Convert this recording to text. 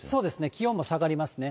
気温も下がりますね。